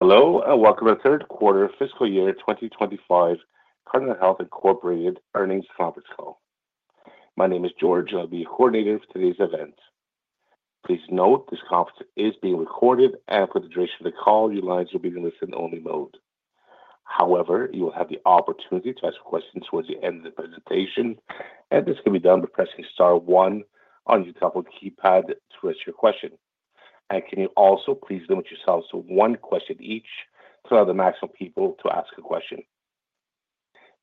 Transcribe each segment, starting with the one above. Hello, and welcome to the third quarter of fiscal year 2025, Cardinal Health earnings conference call. My name is George. I'll be your coordinator for today's event. Please note this conference is being recorded, and for the duration of the call, your lines will be in a listen-only mode. However, you will have the opportunity to ask questions towards the end of the presentation, and this can be done by pressing star one on your telephone keypad to ask your question. Can you also please limit yourselves to one question each to allow the maximum people to ask a question?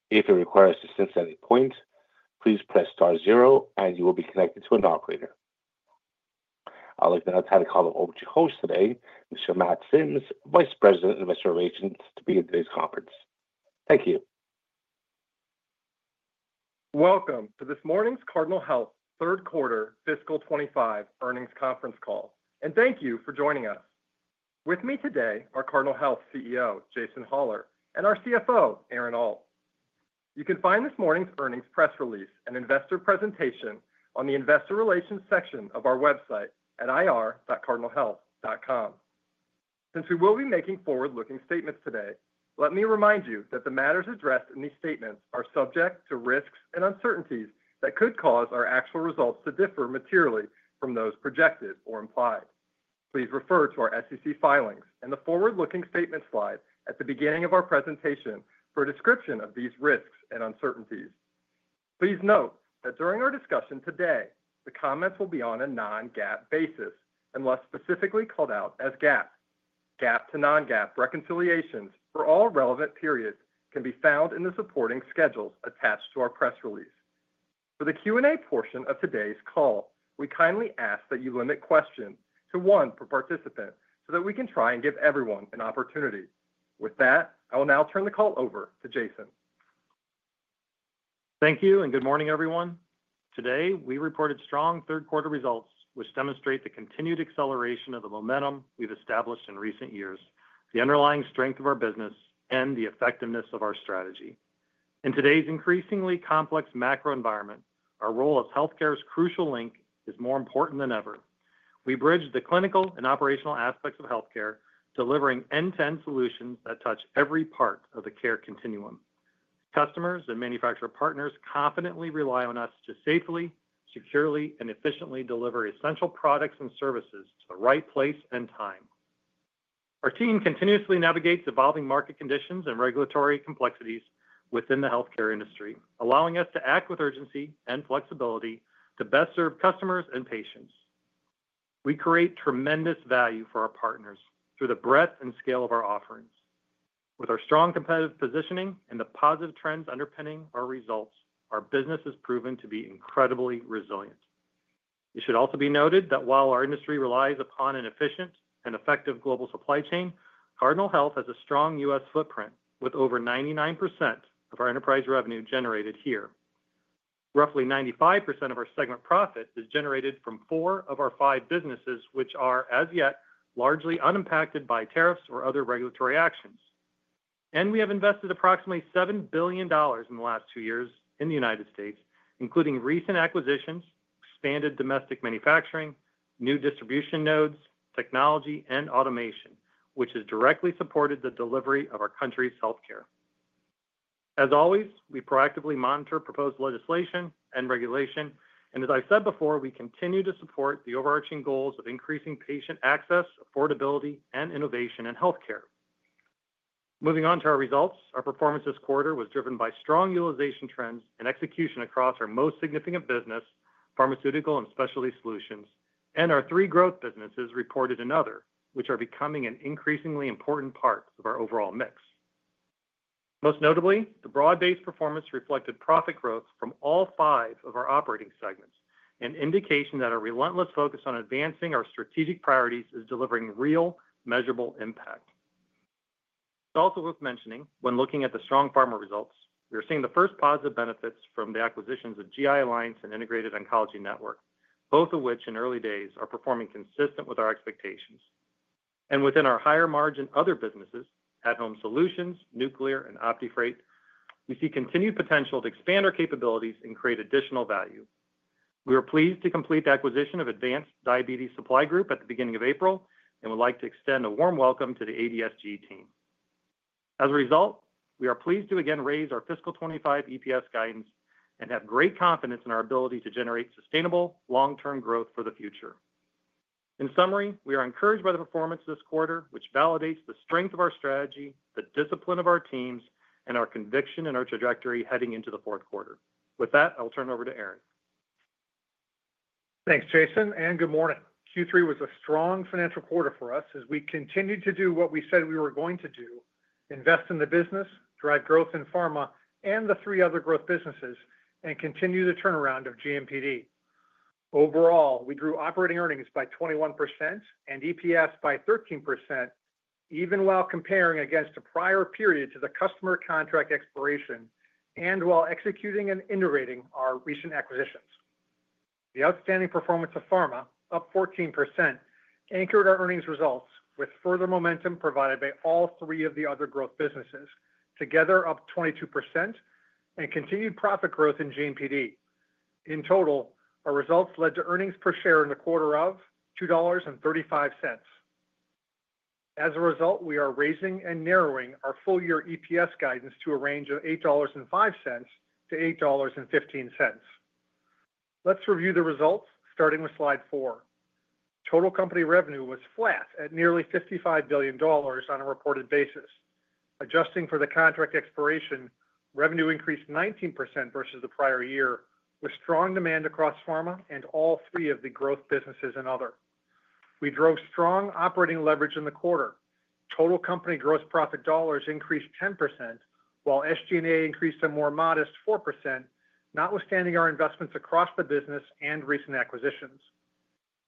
If you require assistance at any point, please press star zero, and you will be connected to an operator. I'd like to now turn the call over to your host today, Mr. Matt Sims, Vice President of Investor Relations, to begin today's conference. Thank you. Welcome to this morning's Cardinal Health Third Quarter Fiscal 2025 Earnings Conference Call, and thank you for joining us. With me today are Cardinal Health CEO, Jason Hollar, and our CFO, Aaron Alt. You can find this morning's earnings press release and investor presentation on the investor relations section of our website at ir.cardinalhealth.com. Since we will be making forward-looking statements today, let me remind you that the matters addressed in these statements are subject to risks and uncertainties that could cause our actual results to differ materially from those projected or implied. Please refer to our SEC filings and the forward-looking statement slide at the beginning of our presentation for a description of these risks and uncertainties. Please note that during our discussion today, the comments will be on a non-GAAP basis unless specifically called out as GAAP. GAAP to non-GAAP reconciliations for all relevant periods can be found in the supporting schedules attached to our press release. For the Q&A portion of today's call, we kindly ask that you limit questions to one per participant so that we can try and give everyone an opportunity. With that, I will now turn the call over to Jason. Thank you, and good morning, everyone. Today, we reported strong third quarter results, which demonstrate the continued acceleration of the momentum we have established in recent years, the underlying strength of our business, and the effectiveness of our strategy. In today's increasingly complex macro environment, our role as healthcare's crucial link is more important than ever. We bridge the clinical and operational aspects of healthcare, delivering end-to-end solutions that touch every part of the care continuum. Customers and manufacturer partners confidently rely on us to safely, securely, and efficiently deliver essential products and services to the right place and time. Our team continuously navigates evolving market conditions and regulatory complexities within the healthcare industry, allowing us to act with urgency and flexibility to best serve customers and patients. We create tremendous value for our partners through the breadth and scale of our offerings. With our strong competitive positioning and the positive trends underpinning our results, our business has proven to be incredibly resilient. It should also be noted that while our industry relies upon an efficient and effective global supply chain, Cardinal Health has a strong U.S. footprint, with over 99% of our enterprise revenue generated here. Roughly 95% of our segment profit is generated from four of our five businesses, which are, as yet, largely unimpacted by tariffs or other regulatory actions. We have invested approximately $7 billion in the last two years in the United States, including recent acquisitions, expanded domestic manufacturing, new distribution nodes, technology, and automation, which has directly supported the delivery of our country's healthcare. As always, we proactively monitor proposed legislation and regulation, and as I've said before, we continue to support the overarching goals of increasing patient access, affordability, and innovation in healthcare. Moving on to our results, our performance this quarter was driven by strong utilization trends and execution across our most significant business, pharmaceutical and specialty solutions, and our three growth businesses reported another, which are becoming an increasingly important part of our overall mix. Most notably, the broad-based performance reflected profit growth from all five of our operating segments, an indication that our relentless focus on advancing our strategic priorities is delivering real, measurable impact. It's also worth mentioning, when looking at the strong pharma results, we are seeing the first positive benefits from the acquisitions of GI Alliance and Integrated Oncology Network, both of which, in early days, are performing consistent with our expectations. Within our higher-margin other businesses, at-Home Solutions, Nuclear, and OptiFreight, we see continued potential to expand our capabilities and create additional value. We are pleased to complete the acquisition of Advanced Diabetes Supply Group at the beginning of April and would like to extend a warm welcome to the ADSG team. As a result, we are pleased to again raise our fiscal 2025 EPS guidance and have great confidence in our ability to generate sustainable, long-term growth for the future. In summary, we are encouraged by the performance this quarter, which validates the strength of our strategy, the discipline of our teams, and our conviction in our trajectory heading into the fourth quarter. With that, I will turn it over to Aaron. Thanks, Jason, and good morning. Q3 was a strong financial quarter for us as we continued to do what we said we were going to do: invest in the business, drive growth in pharma and the three other growth businesses, and continue the turnaround of GMPD. Overall, we grew operating earnings by 21% and EPS by 13%, even while comparing against a prior period to the customer contract expiration and while executing and iterating our recent acquisitions. The outstanding performance of pharma, up 14%, anchored our earnings results, with further momentum provided by all three of the other growth businesses, together up 22%, and continued profit growth in GMPD. In total, our results led to earnings per share in the quarter of $2.35. As a result, we are raising and narrowing our full-year EPS guidance to a range of $8.05-$8.15. Let's review the results, starting with slide four. Total company revenue was flat at nearly $55 billion on a reported basis. Adjusting for the contract expiration, revenue increased 19% versus the prior year, with strong demand across pharma and all three of the growth businesses and other. We drove strong operating leverage in the quarter. Total company gross profit dollars increased 10%, while SG&A increased a more modest 4%, notwithstanding our investments across the business and recent acquisitions.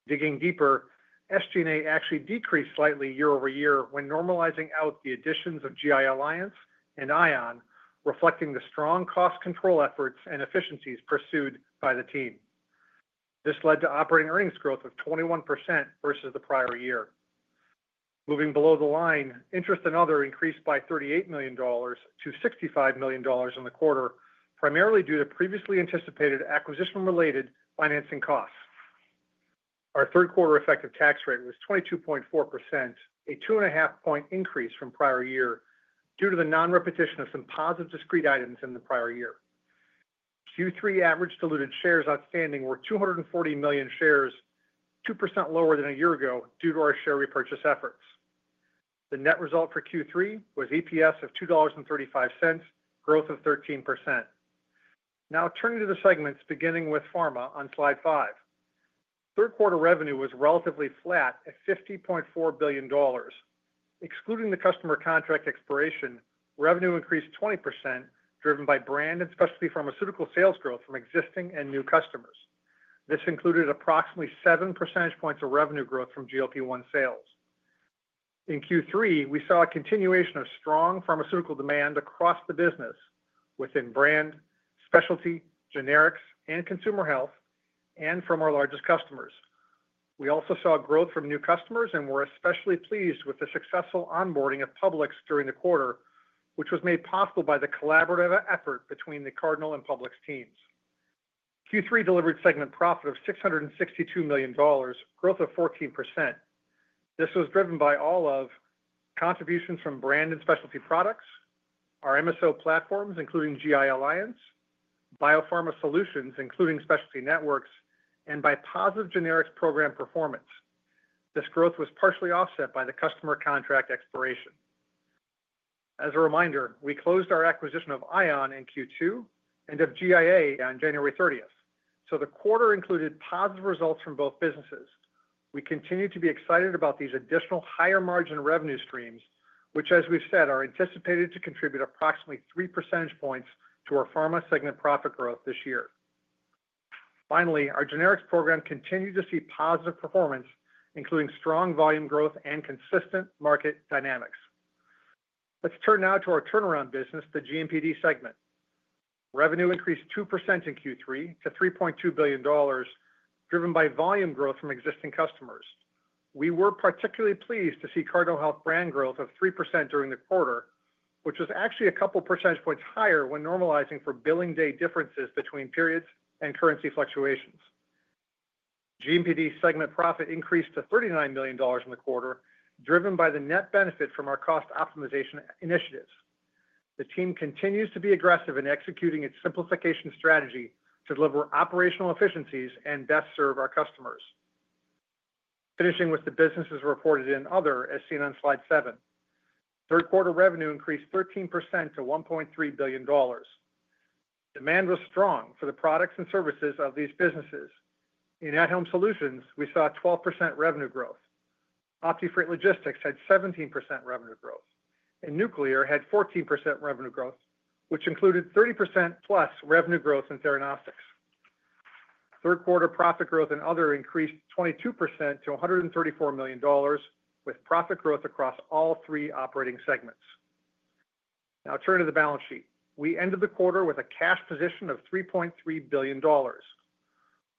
Digging deeper, SG&A actually decreased slightly year-over-year when normalizing out the additions of GI Alliance and ION, reflecting the strong cost control efforts and efficiencies pursued by the team. This led to operating earnings growth of 21% versus the prior year. Moving below the line, interest and other increased by $38 million-$65 million in the quarter, primarily due to previously anticipated acquisition-related financing costs. Our third quarter effective tax rate was 22.4%, a 2.5 point increase from prior year due to the non-repetition of some positive discrete items in the prior year. Q3 average diluted shares outstanding were 240 million shares, 2% lower than a year ago due to our share repurchase efforts. The net result for Q3 was EPS of $2.35, growth of 13%. Now, turning to the segments, beginning with pharma on slide five. Third quarter revenue was relatively flat at $50.4 billion. Excluding the customer contract expiration, revenue increased 20%, driven by brand and specialty pharmaceutical sales growth from existing and new customers. This included approximately 7 percentage points of revenue growth from GLP-1 sales. In Q3, we saw a continuation of strong pharmaceutical demand across the business, within brand, specialty, generics, and consumer health, and from our largest customers. We also saw growth from new customers and were especially pleased with the successful onboarding of Publix during the quarter, which was made possible by the collaborative effort between the Cardinal and Publix teams. Q3 delivered segment profit of $662 million, growth of 14%. This was driven by all of contributions from brand and specialty products, our MSO platforms, including GI Alliance, Biopharma Solutions, including Specialty Networks, and by positive generics program performance. This growth was partially offset by the customer contract expiration. As a reminder, we closed our acquisition of ION in Q2 and of GIA on January 30th, so the quarter included positive results from both businesses. We continue to be excited about these additional higher-margin revenue streams, which, as we've said, are anticipated to contribute approximately 3 percentage points to our pharma segment profit growth this year. Finally, our generics program continued to see positive performance, including strong volume growth and consistent market dynamics. Let's turn now to our turnaround business, the GMPD segment. Revenue increased 2% in Q3 to $3.2 billion, driven by volume growth from existing customers. We were particularly pleased to see Cardinal Health brand growth of 3% during the quarter, which was actually a couple percentage points higher when normalizing for billing day differences between periods and currency fluctuations. GMPD segment profit increased to $39 million in the quarter, driven by the net benefit from our cost optimization initiatives. The team continues to be aggressive in executing its simplification strategy to deliver operational efficiencies and best serve our customers. Finishing with the businesses reported in other, as seen on slide seven, third quarter revenue increased 13% to $1.3 billion. Demand was strong for the products and services of these businesses. In at-Home Solutions, we saw 12% revenue growth. OptiFreight Logistics had 17% revenue growth. In nuclear, had 14% revenue growth, which included 30% plus revenue growth in theranostics. Third quarter profit growth in other increased 22% to $134 million, with profit growth across all three operating segments. Now, turn to the balance sheet. We ended the quarter with a cash position of $3.3 billion.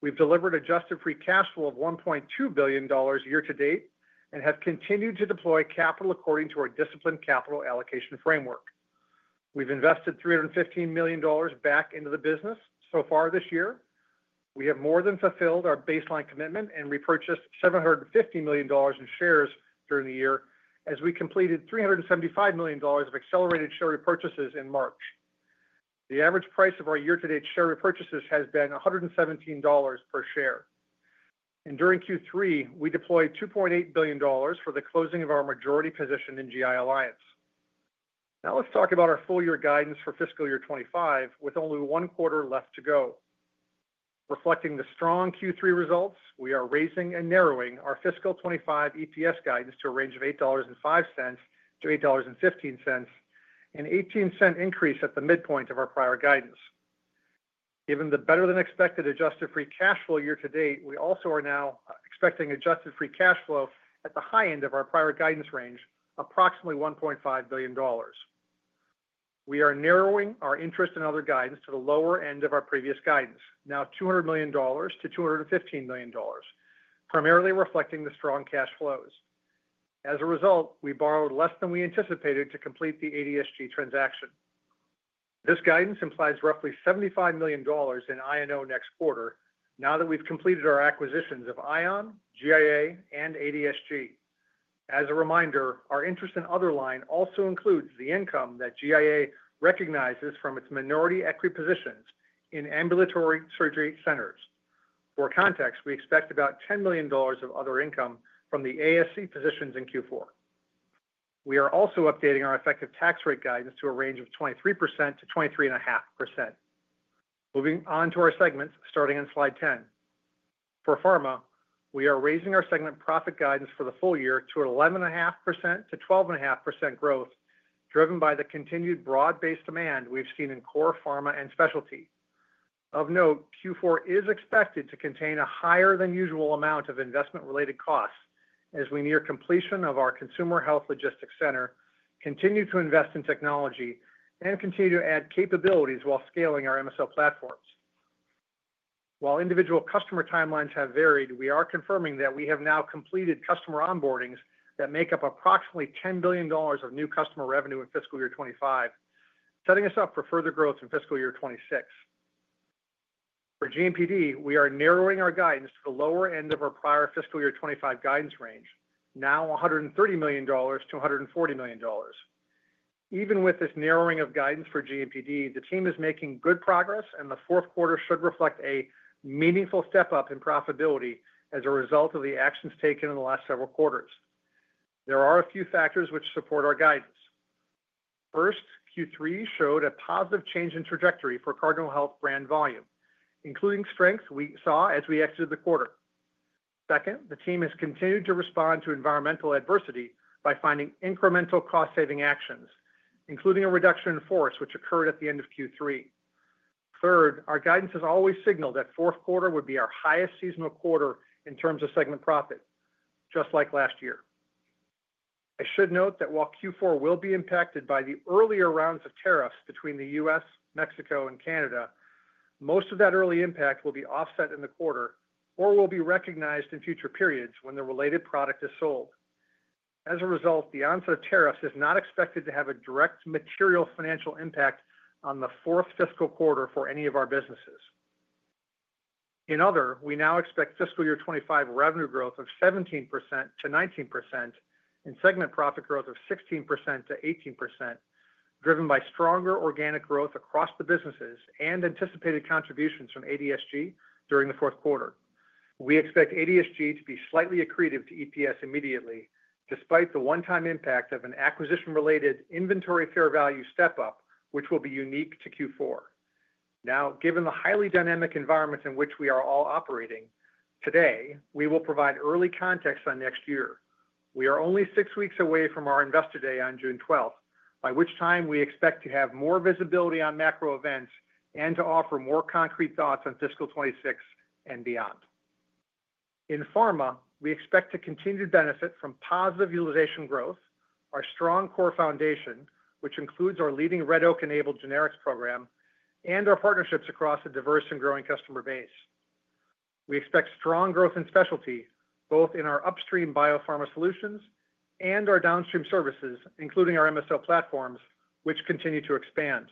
We've delivered adjusted free cash flow of $1.2 billion year-to-date and have continued to deploy capital according to our disciplined capital allocation framework. We've invested $315 million back into the business so far this year. We have more than fulfilled our baseline commitment and repurchased $750 million in shares during the year as we completed $375 million of accelerated share repurchases in March. The average price of our year-to-date share repurchases has been $117 per share. During Q3, we deployed $2.8 billion for the closing of our majority position in GI Alliance. Now, let's talk about our full-year guidance for fiscal year 2025, with only one quarter left to go. Reflecting the strong Q3 results, we are raising and narrowing our fiscal 2025 EPS guidance to a range of $8.05-$8.15, an 0.18 increase at the midpoint of our prior guidance. Given the better-than-expected adjusted free cash flow year-to-date, we also are now expecting adjusted free cash flow at the high end of our prior guidance range, approximately $1.5 billion. We are narrowing our interest and other guidance to the lower end of our previous guidance, now $200 million-$215 million, primarily reflecting the strong cash flows. As a result, we borrowed less than we anticipated to complete the Advanced Diabetes Supply Group transaction. This guidance implies roughly $75 million in I&O next quarter now that we've completed our acquisitions of ION, GIA, and ADSG. As a reminder, our interest in other line also includes the income that GIA recognizes from its minority equity positions in ambulatory surgery centers. For context, we expect about $10 million of other income from the ASC positions in Q4. We are also updating our effective tax rate guidance to a range of 23%-23.5%. Moving on to our segments, starting on slide 10. For pharma, we are raising our segment profit guidance for the full year to 11.5%-12.5% growth, driven by the continued broad-based demand we've seen in core pharma and specialty. Of note, Q4 is expected to contain a higher-than-usual amount of investment-related costs as we near completion of our consumer health logistics center, continue to invest in technology and continue to add capabilities while scaling our MSO platforms. While individual customer timelines have varied, we are confirming that we have now completed customer onboardings that make up approximately $10 billion of new customer revenue in fiscal year 2025, setting us up for further growth in fiscal year 2026. For GMPD, we are narrowing our guidance to the lower end of our prior fiscal year 2025 guidance range, now $130 million-$140 million. Even with this narrowing of guidance for GMPD, the team is making good progress, and the fourth quarter should reflect a meaningful step up in profitability as a result of the actions taken in the last several quarters. There are a few factors which support our guidance. First, Q3 showed a positive change in trajectory for Cardinal Health brand volume, including strength we saw as we exited the quarter. Second, the team has continued to respond to environmental adversity by finding incremental cost-saving actions, including a reduction in force, which occurred at the end of Q3. Third, our guidance has always signaled that fourth quarter would be our highest seasonal quarter in terms of segment profit, just like last year. I should note that while Q4 will be impacted by the earlier rounds of tariffs between the U.S., Mexico, and Canada, most of that early impact will be offset in the quarter or will be recognized in future periods when the related product is sold. As a result, the onset of tariffs is not expected to have a direct material financial impact on the fourth fiscal quarter for any of our businesses. In other, we now expect fiscal year 2025 revenue growth of 17%-19% and segment profit growth of 16%-18%, driven by stronger organic growth across the businesses and anticipated contributions from ADSG during the fourth quarter. We expect ADSG to be slightly accretive to EPS immediately, despite the one-time impact of an acquisition-related inventory fair value step-up, which will be unique to Q4. Now, given the highly dynamic environment in which we are all operating, today, we will provide early context on next year. We are only six weeks away from our Investor Day on June 12, by which time we expect to have more visibility on macro events and to offer more concrete thoughts on fiscal 2026 and beyond. In pharma, we expect to continue to benefit from positive utilization growth, our strong core foundation, which includes our leading Red Oak-enabled generics program, and our partnerships across a diverse and growing customer base. We expect strong growth in specialty, both in our upstream Biopharma Solutions and our downstream services, including our MSO platforms, which continue to expand.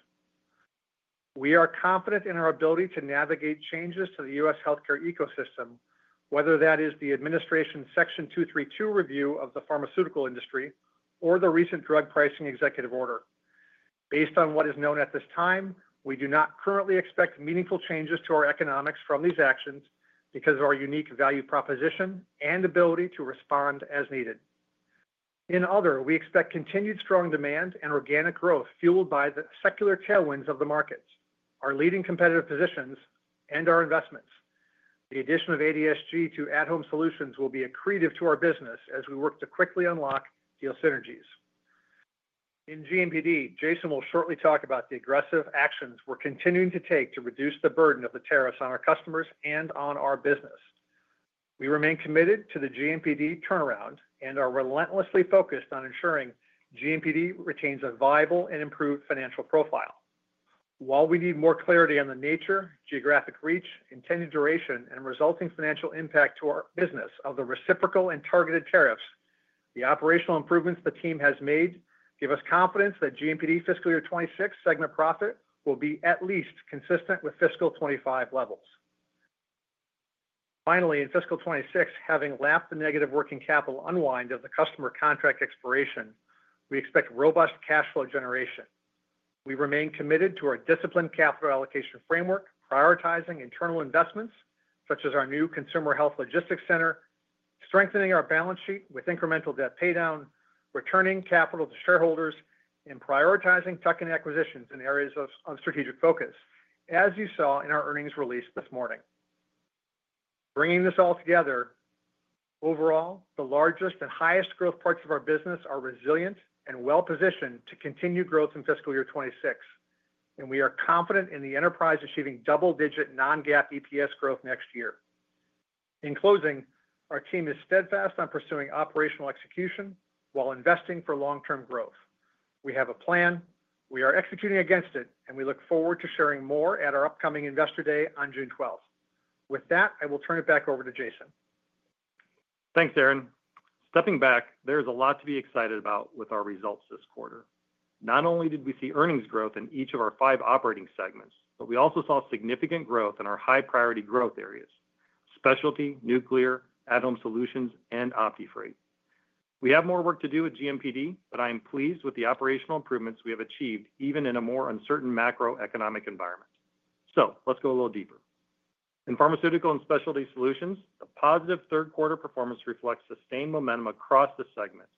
We are confident in our ability to navigate changes to the U.S. healthcare ecosystem, whether that is the administration's Section 232 review of the pharmaceutical industry or the recent drug pricing executive order. Based on what is known at this time, we do not currently expect meaningful changes to our economics from these actions because of our unique value proposition and ability to respond as needed. In other, we expect continued strong demand and organic growth fueled by the secular tailwinds of the markets, our leading competitive positions, and our investments. The addition of ADSG to at-Home Solutions will be accretive to our business as we work to quickly unlock deal synergies. In GMPD, Jason will shortly talk about the aggressive actions we're continuing to take to reduce the burden of the tariffs on our customers and on our business. We remain committed to the GMPD turnaround and are relentlessly focused on ensuring GMPD retains a viable and improved financial profile. While we need more clarity on the nature, geographic reach, intended duration, and resulting financial impact to our business of the reciprocal and targeted tariffs, the operational improvements the team has made give us confidence that GMPD fiscal year 2026 segment profit will be at least consistent with fiscal 2025 levels. Finally, in fiscal 2026, having lapped the negative working capital unwind of the customer contract expiration, we expect robust cash flow generation. We remain committed to our disciplined capital allocation framework, prioritizing internal investments such as our new consumer health logistics center, strengthening our balance sheet with incremental debt paydown, returning capital to shareholders, and prioritizing tuck-in acquisitions in areas of strategic focus, as you saw in our earnings release this morning. Bringing this all together, overall, the largest and highest growth parts of our business are resilient and well-positioned to continue growth in fiscal year 2026, and we are confident in the enterprise achieving double-digit non-GAAP EPS growth next year. In closing, our team is steadfast on pursuing operational execution while investing for long-term growth. We have a plan, we are executing against it, and we look forward to sharing more at our upcoming Investor Day on June 12th. With that, I will turn it back over to Jason. Thanks, Aaron. Stepping back, there is a lot to be excited about with our results this quarter. Not only did we see earnings growth in each of our five operating segments, but we also saw significant growth in our high-priority growth areas: specialty, nuclear, at-Home Solutions, and OptiFreight. We have more work to do at GMPD, but I am pleased with the operational improvements we have achieved even in a more uncertain macroeconomic environment. Let's go a little deeper. In pharmaceutical and specialty solutions, the positive third-quarter performance reflects sustained momentum across the segment,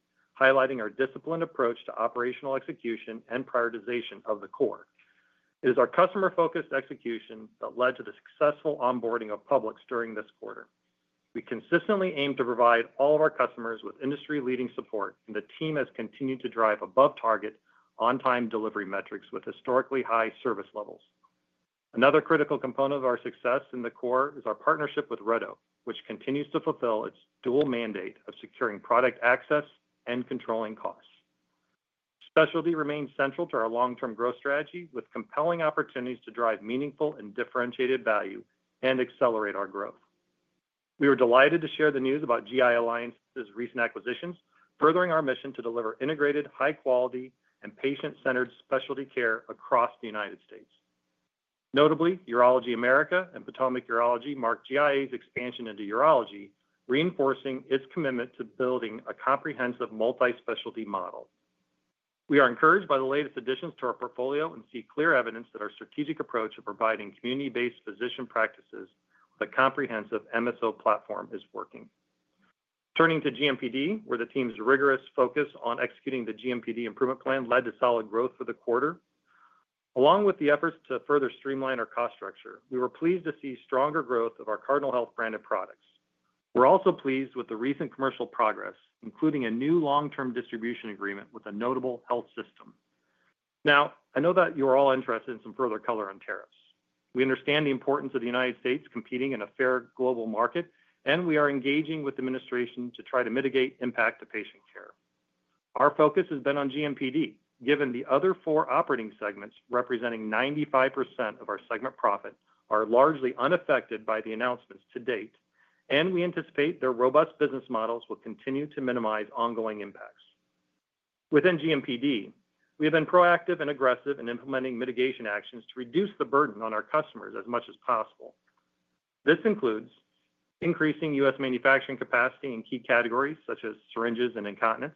highlighting our disciplined approach to operational execution and prioritization of the core. It is our customer-focused execution that led to the successful onboarding of Publix during this quarter. We consistently aim to provide all of our customers with industry-leading support, and the team has continued to drive above-target, on-time delivery metrics with historically high service levels. Another critical component of our success in the core is our partnership with Red Oak, which continues to fulfill its dual mandate of securing product access and controlling costs. Specialty remains central to our long-term growth strategy, with compelling opportunities to drive meaningful and differentiated value and accelerate our growth. We are delighted to share the news about GI Alliance's recent acquisitions, furthering our mission to deliver integrated, high-quality, and patient-centered specialty care across the United States. Notably, Urology America and Potomac Urology mark GI Alliance's expansion into urology, reinforcing its commitment to building a comprehensive multi-specialty model. We are encouraged by the latest additions to our portfolio and see clear evidence that our strategic approach of providing community-based physician practices with a comprehensive MSO platform is working. Turning to GMPD, where the team's rigorous focus on executing the GMPD improvement plan led to solid growth for the quarter. Along with the efforts to further streamline our cost structure, we were pleased to see stronger growth of our Cardinal Health branded products. We're also pleased with the recent commercial progress, including a new long-term distribution agreement with a notable health system. Now, I know that you are all interested in some further color on tariffs. We understand the importance of the United States competing in a fair global market, and we are engaging with the administration to try to mitigate impact to patient care. Our focus has been on GMPD, given the other four operating segments representing 95% of our segment profit are largely unaffected by the announcements to date, and we anticipate their robust business models will continue to minimize ongoing impacts. Within GMPD, we have been proactive and aggressive in implementing mitigation actions to reduce the burden on our customers as much as possible. This includes increasing U.S. manufacturing capacity in key categories such as syringes and incontinence,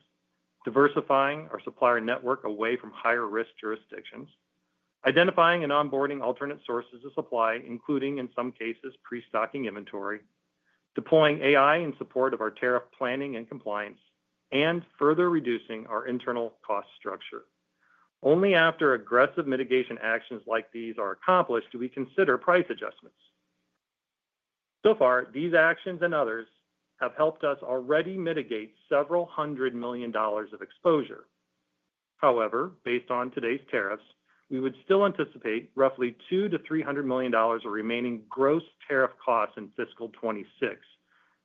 diversifying our supplier network away from higher-risk jurisdictions, identifying and onboarding alternate sources of supply, including, in some cases, pre-stocking inventory, deploying AI in support of our tariff planning and compliance, and further reducing our internal cost structure. Only after aggressive mitigation actions like these are accomplished do we consider price adjustments. These actions and others have helped us already mitigate several hundred million dollars of exposure. However, based on today's tariffs, we would still anticipate roughly $200 million-$300 million of remaining gross tariff costs in fiscal 2026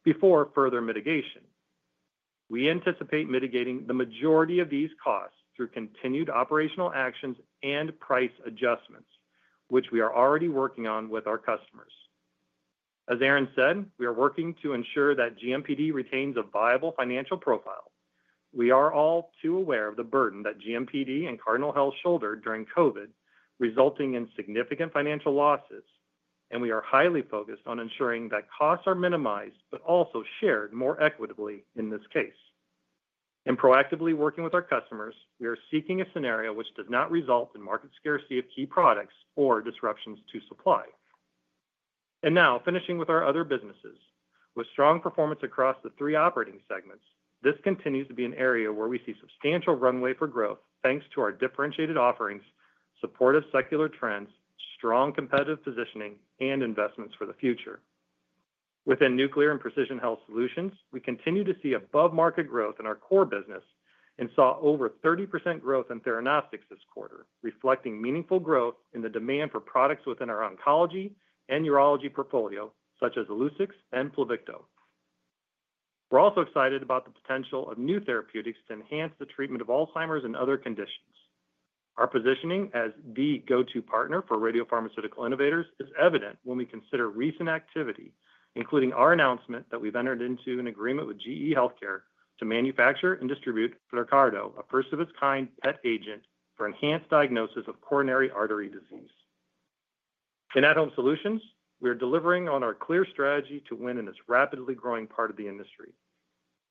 before further mitigation. We anticipate mitigating the majority of these costs through continued operational actions and price adjustments, which we are already working on with our customers. As Aaron said, we are working to ensure that GMPD retains a viable financial profile. We are all too aware of the burden that GMPD and Cardinal Health shouldered during COVID, resulting in significant financial losses, and we are highly focused on ensuring that costs are minimized but also shared more equitably in this case. In proactively working with our customers, we are seeking a scenario which does not result in market scarcity of key products or disruptions to supply. Finishing with our other businesses. With strong performance across the three operating segments, this continues to be an area where we see substantial runway for growth, thanks to our differentiated offerings, supportive secular trends, strong competitive positioning, and investments for the future. Within nuclear and precision health solutions, we continue to see above-market growth in our core business and saw over 30% growth in theranostics this quarter, reflecting meaningful growth in the demand for products within our oncology and urology portfolio, such as LUTATHERA and PLUVICTO. We're also excited about the potential of new therapeutics to enhance the treatment of Alzheimer's and other conditions. Our positioning as the go-to partner for radiopharmaceutical innovators is evident when we consider recent activity, including our announcement that we've entered into an agreement with GE Healthcare to manufacture and distribute Flyrcado, a first-of-its-kind PET agent for enhanced diagnosis of coronary artery disease. In at-Home Solutions, we are delivering on our clear strategy to win in this rapidly growing part of the industry.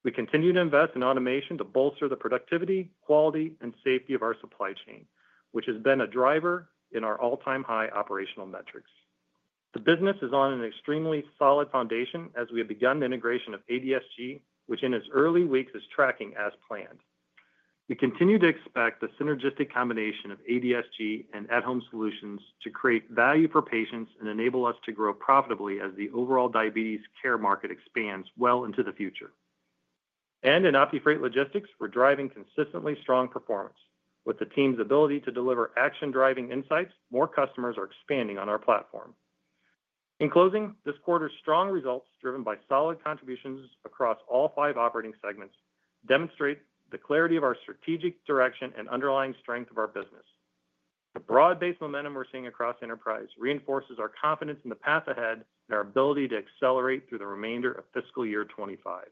We continue to invest in automation to bolster the productivity, quality, and safety of our supply chain, which has been a driver in our all-time high operational metrics. The business is on an extremely solid foundation as we have begun the integration of Advanced Diabetes Supply Group, which in its early weeks is tracking as planned. We continue to expect the synergistic combination of Advanced Diabetes Supply Group and at-Home Solutions to create value for patients and enable us to grow profitably as the overall diabetes care market expands well into the future. In OptiFreight Logistics, we are driving consistently strong performance. With the team's ability to deliver action-driving insights, more customers are expanding on our platform. In closing, this quarter's strong results, driven by solid contributions across all five operating segments, demonstrate the clarity of our strategic direction and underlying strength of our business. The broad-based momentum we're seeing across enterprise reinforces our confidence in the path ahead and our ability to accelerate through the remainder of fiscal year 2025.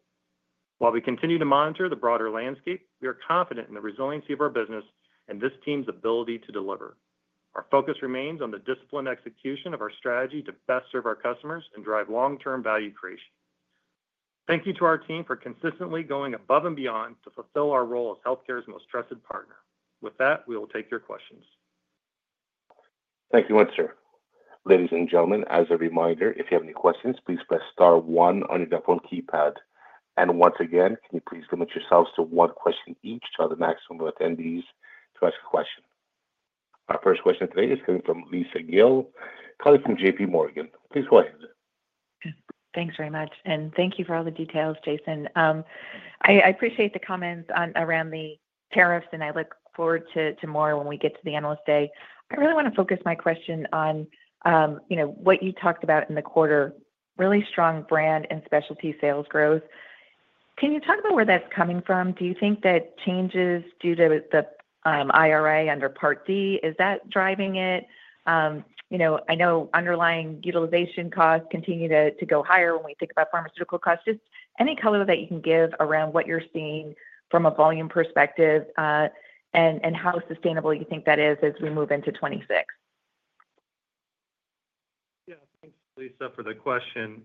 While we continue to monitor the broader landscape, we are confident in the resiliency of our business and this team's ability to deliver. Our focus remains on the disciplined execution of our strategy to best serve our customers and drive long-term value creation. Thank you to our team for consistently going above and beyond to fulfill our role as healthcare's most trusted partner. With that, we will take your questions. Thank you, sir. Ladies and gentlemen, as a reminder, if you have any questions, please press star one on your default keypad. Once again, can you please limit yourselves to one question each to have the maximum of attendees to ask a question? Our first question today is coming from Lisa Gill, probably from JP Morgan. Please go ahead. Thanks very much. Thank you for all the details, Jason. I appreciate the comments around the tariffs, and I look forward to more when we get to the analyst day. I really want to focus my question on what you talked about in the quarter: really strong brand and specialty sales growth. Can you talk about where that's coming from? Do you think that changes due to the IRA under Part D, is that driving it? I know underlying utilization costs continue to go higher when we think about pharmaceutical costs. Just any color that you can give around what you're seeing from a volume perspective and how sustainable you think that is as we move into 2026. Yeah, thanks, Lisa, for the question.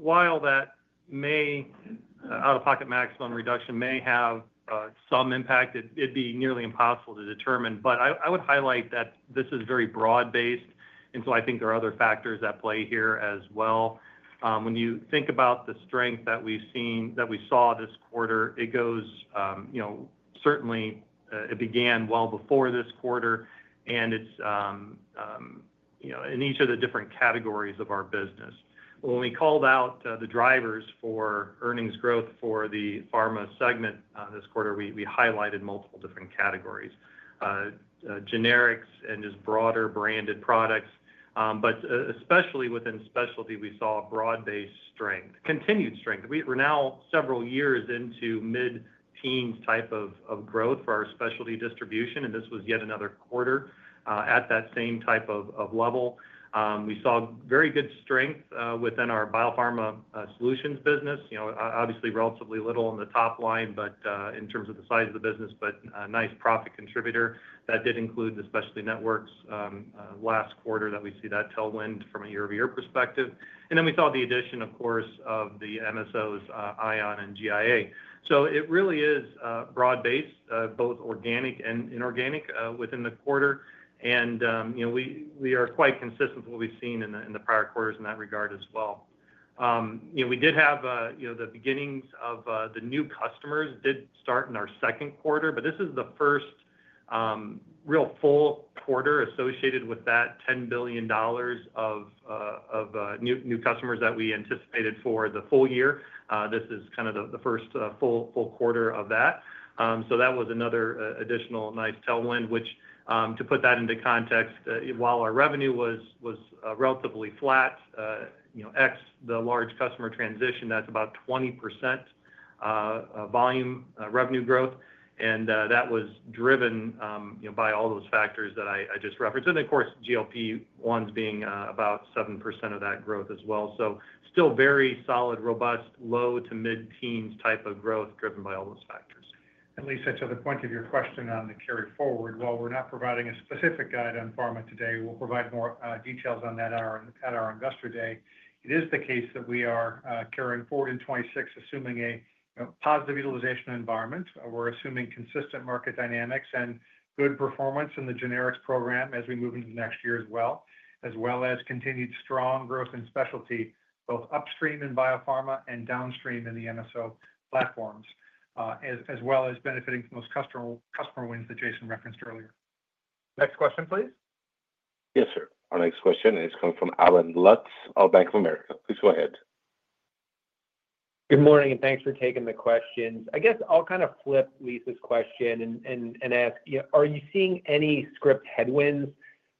While that out-of-pocket maximum reduction may have some impact, it'd be nearly impossible to determine. I would highlight that this is very broad-based, and I think there are other factors at play here as well. When you think about the strength that we saw this quarter, it goes certainly—it began well before this quarter—and it's in each of the different categories of our business. When we called out the drivers for earnings growth for the pharma segment this quarter, we highlighted multiple different categories: generics and just broader branded products. Especially within specialty, we saw broad-based strength, continued strength. We're now several years into mid-teens type of growth for our specialty distribution, and this was yet another quarter at that same type of level. We saw very good strength within our Biopharma Solutions business, obviously relatively little on the top line in terms of the size of the business, but a nice profit contributor. That did include the specialty networks last quarter that we see that tailwind from a year-over-year perspective. We saw the addition, of course, of the MSOs, ION, and GI Alliance. It really is broad-based, both organic and inorganic within the quarter. We are quite consistent with what we've seen in the prior quarters in that regard as well. We did have the beginnings of the new customers did start in our second quarter, but this is the first real full quarter associated with that $10 billion of new customers that we anticipated for the full year. This is kind of the first full quarter of that. That was another additional nice tailwind, which, to put that into context, while our revenue was relatively flat, ex the large customer transition, that's about 20% volume revenue growth. That was driven by all those factors that I just referenced. Of course, GLP-1s being about 7% of that growth as well. Still very solid, robust, low to mid-teens type of growth driven by all those factors. Lisa, to the point of your question on the carry forward, while we're not providing a specific guide on pharma today, we'll provide more details on that at our industrial day. It is the case that we are carrying forward in 2026, assuming a positive utilization environment. We're assuming consistent market dynamics and good performance in the generics program as we move into the next year as well, as well as continued strong growth in specialty, both upstream in biopharma and downstream in the MSO platforms, as well as benefiting from those customer wins that Jason referenced earlier. Next question, please. Yes, sir. Our next question is coming from Allen Lutz of Bank of America. Please go ahead. Good morning, and thanks for taking the questions. I guess I'll kind of flip Lisa's question and ask, are you seeing any script headwinds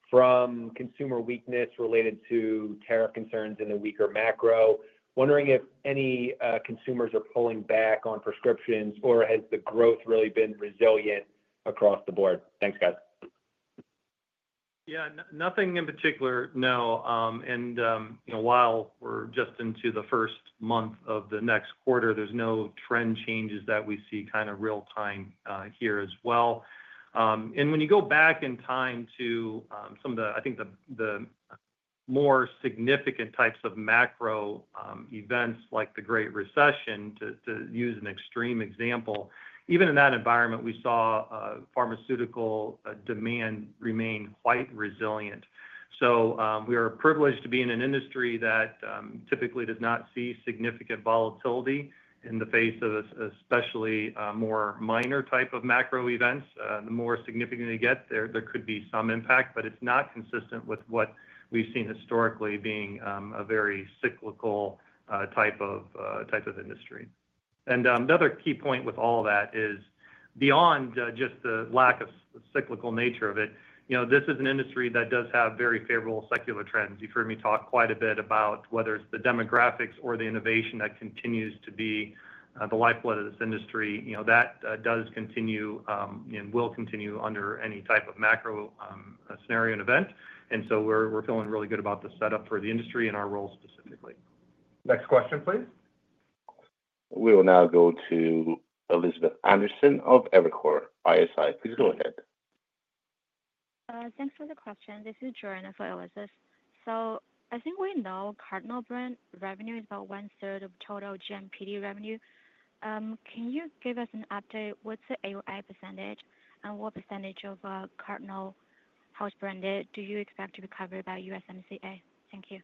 from consumer weakness related to tariff concerns in the weaker macro? Wondering if any consumers are pulling back on prescriptions, or has the growth really been resilient across the board? Thanks, guys. Yeah, nothing in particular, no. While we're just into the first month of the next quarter, there's no trend changes that we see kind of real-time here as well. When you go back in time to some of the, I think, the more significant types of macro events like the Great Recession, to use an extreme example, even in that environment, we saw pharmaceutical demand remain quite resilient. We are privileged to be in an industry that typically does not see significant volatility in the face of especially more minor type of macro events. The more significant they get, there could be some impact, but it's not consistent with what we've seen historically being a very cyclical type of industry. Another key point with all of that is, beyond just the lack of cyclical nature of it, this is an industry that does have very favorable secular trends. You've heard me talk quite a bit about whether it's the demographics or the innovation that continues to be the lifeblood of this industry. That does continue and will continue under any type of macro scenario and event. We're feeling really good about the setup for the industry and our role specifically. Next question, please. We will now go to Elizabeth Anderson of Evercore ISI. Please go ahead. Thanks for the question. This is [Joanne] for [Elizabeth]. I think we know Cardinal brand revenue is about 1/3 of total GMPD revenue. Can you give us an update? What's the AOI percentage, and what percentage of Cardinal Health brand do you expect to be covered by USMCA? Thank you.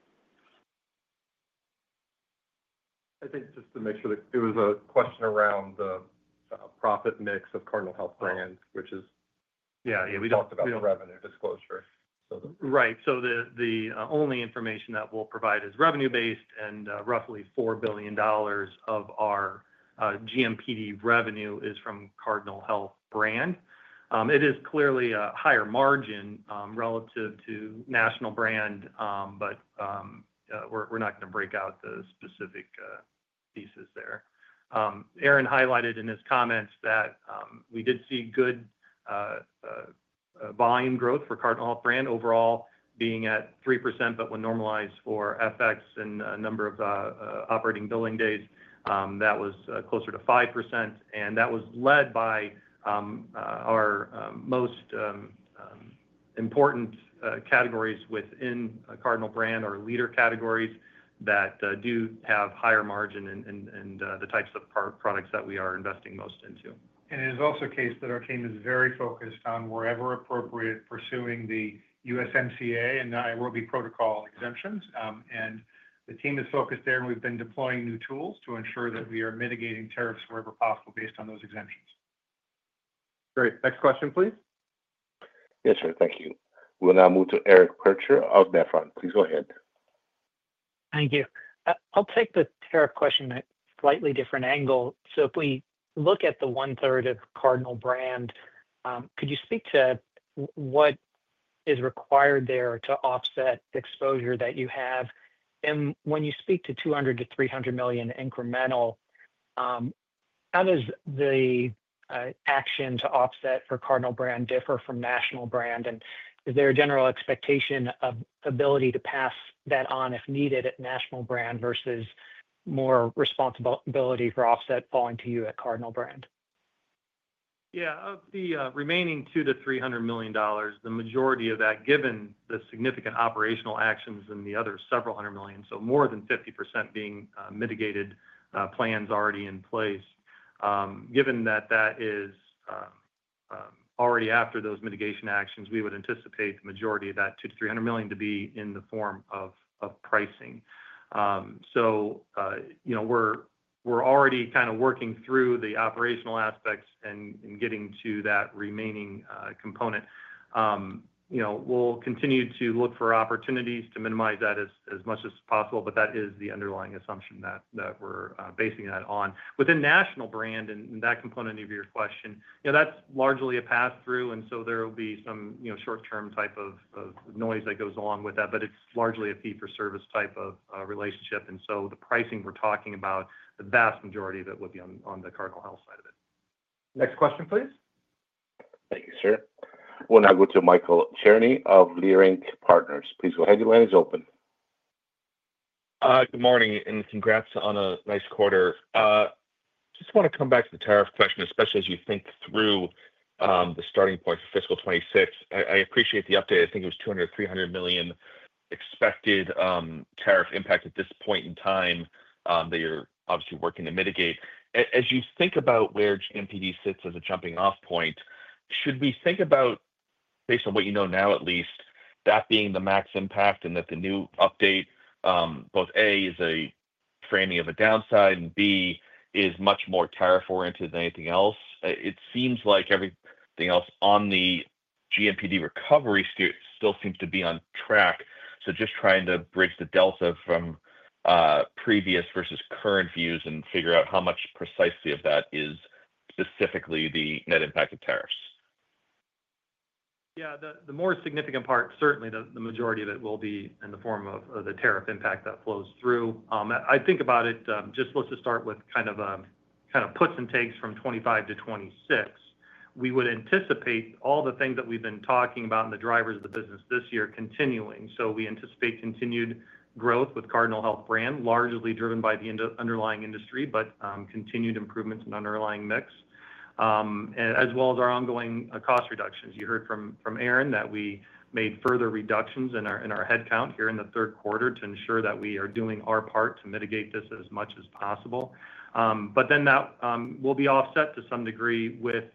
I think just to make sure that there was a question around the profit mix of Cardinal Health brand, which is—yeah, yeah, we talked about the revenue disclosure. Right. The only information that we'll provide is revenue-based, and roughly $4 billion of our GMPD revenue is from Cardinal Health brand. It is clearly a higher margin relative to national brand, but we're not going to break out the specific pieces there. Aaron highlighted in his comments that we did see good volume growth for Cardinal Health brand, overall being at 3%, but when normalized for FX and a number of operating billing days, that was closer to 5%. That was led by our most important categories within Cardinal brand or leader categories that do have higher margin and the types of products that we are investing most into. It is also the case that our team is very focused on wherever appropriate, pursuing the USMCA and the Nairobi Protocol exemptions. The team is focused there, and we've been deploying new tools to ensure that we are mitigating tariffs wherever possible based on those exemptions. Great. Next question, please. Yes, sir. Thank you. We'll now move to Eric Percher of Nephron. Please go ahead. Thank you. I'll take the tariff question at a slightly different angle. If we look at the one-third of Cardinal brand, could you speak to what is required there to offset exposure that you have? When you speak to $200 million-$300 million incremental, how does the action to offset for Cardinal brand differ from national brand? Is there a general expectation of ability to pass that on if needed at national brand versus more responsibility for offset falling to you at Cardinal brand? Yeah. Of the remaining $200 million-$300 million, the majority of that, given the significant operational actions and the other several hundred million, so more than 50% being mitigated plans already in place, given that that is already after those mitigation actions, we would anticipate the majority of that $200 million-$300 million to be in the form of pricing. We are already kind of working through the operational aspects and getting to that remaining component. We will continue to look for opportunities to minimize that as much as possible, but that is the underlying assumption that we are basing that on. Within national brand and that component of your question, that is largely a pass-through, and there will be some short-term type of noise that goes along with that, but it is largely a fee-for-service type of relationship. The pricing we're talking about, the vast majority of it would be on the Cardinal Health side of it. Next question, please. Thank you, sir. We'll now go to Michael Cherney of Leerink Partners. Please go ahead. Your line is open. Good morning and congrats on a nice quarter. Just want to come back to the tariff question, especially as you think through the starting point for fiscal 2026. I appreciate the update. I think it was $200 million or $300 million expected tariff impact at this point in time that you're obviously working to mitigate. As you think about where GMPD sits as a jumping-off point, should we think about, based on what you know now at least, that being the max impact and that the new update, both A, is a framing of a downside and B, is much more tariff-oriented than anything else? It seems like everything else on the GMPD recovery still seems to be on track. Just trying to bridge the delta from previous versus current views and figure out how much precisely of that is specifically the net impact of tariffs. Yeah. The more significant part, certainly the majority of it will be in the form of the tariff impact that flows through. I think about it just let's just start with kind of puts and takes from 2025 to 2026. We would anticipate all the things that we've been talking about and the drivers of the business this year continuing. We anticipate continued growth with Cardinal Health brand, largely driven by the underlying industry, but continued improvements in underlying mix, as well as our ongoing cost reductions. You heard from Aaron that we made further reductions in our headcount here in the third quarter to ensure that we are doing our part to mitigate this as much as possible. That will be offset to some degree with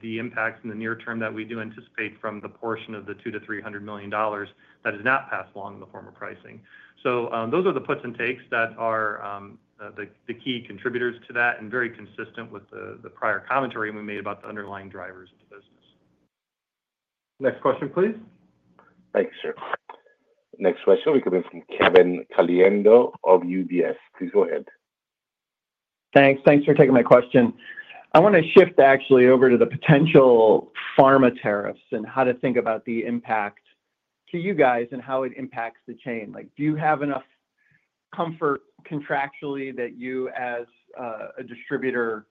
the impacts in the near term that we do anticipate from the portion of the $200 million-$300 million that has not passed along in the form of pricing. Those are the puts and takes that are the key contributors to that and very consistent with the prior commentary we made about the underlying drivers of the business. Next question, please. Thank you, sir. Next question, we are coming from Kevin Caliendo of UBS. Please go ahead. Thanks. Thanks for taking my question. I want to shift actually over to the potential pharma tariffs and how to think about the impact to you guys and how it impacts the chain. Do you have enough comfort contractually that you, as a distributor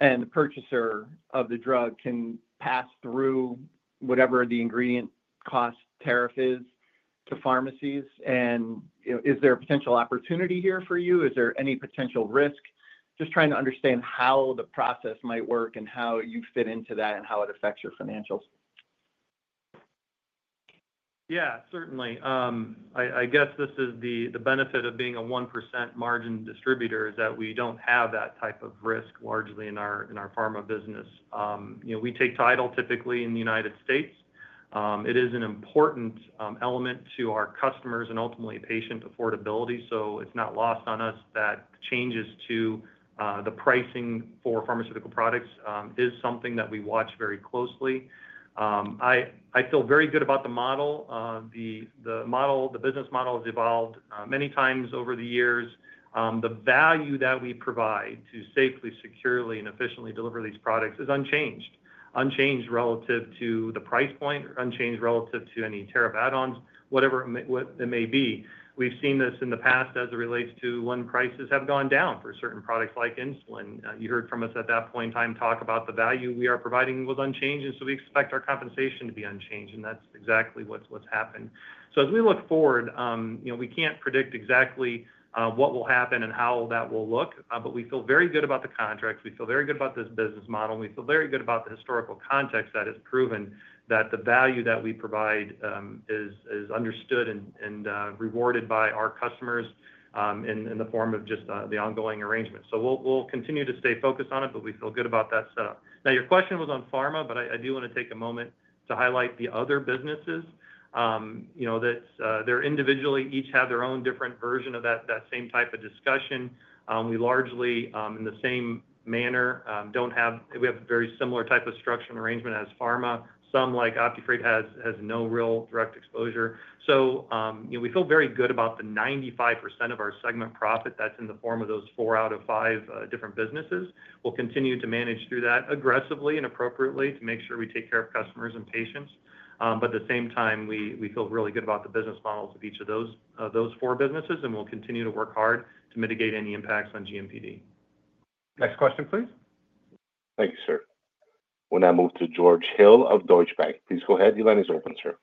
and purchaser of the drug, can pass through whatever the ingredient cost tariff is to pharmacies? Is there a potential opportunity here for you? Is there any potential risk? Just trying to understand how the process might work and how you fit into that and how it affects your financials. Yeah, certainly. I guess this is the benefit of being a 1% margin distributor is that we do not have that type of risk largely in our pharma business. We take title typically in the United States. It is an important element to our customers and ultimately patient affordability. It's not lost on us that changes to the pricing for pharmaceutical products is something that we watch very closely. I feel very good about the model. The business model has evolved many times over the years. The value that we provide to safely, securely, and efficiently deliver these products is unchanged, unchanged relative to the price point, unchanged relative to any tariff add-ons, whatever it may be. We've seen this in the past as it relates to when prices have gone down for certain products like insulin. You heard from us at that point in time talk about the value we are providing was unchanged, and we expect our compensation to be unchanged. That's exactly what's happened. As we look forward, we can't predict exactly what will happen and how that will look, but we feel very good about the contracts. We feel very good about this business model. We feel very good about the historical context that has proven that the value that we provide is understood and rewarded by our customers in the form of just the ongoing arrangement. We will continue to stay focused on it, but we feel good about that setup. Now, your question was on pharma, but I do want to take a moment to highlight the other businesses. They individually each have their own different version of that same type of discussion. We largely, in the same manner, do not have—we have a very similar type of structure and arrangement as pharma. Some, like OptiFreight, have no real direct exposure. We feel very good about the 95% of our segment profit that is in the form of those four out of five different businesses. We'll continue to manage through that aggressively and appropriately to make sure we take care of customers and patients. At the same time, we feel really good about the business models of each of those four businesses, and we'll continue to work hard to mitigate any impacts on GMPD. Next question, please. Thank you, sir. We'll now move to George Hill of Deutsche Bank. Please go ahead. Your line is open, sir.